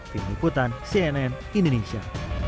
tim liputan cnn indonesia